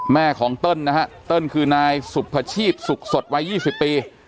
แม่ของเติ้ลนะฮะเติ้ลคือนายสุพชีพสุขสดวัย๒๐ปี